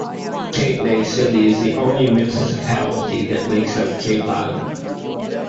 Cape May City is the only municipality that makes up Cape Island.